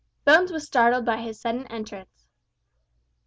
Bones was startled by his sudden entrance.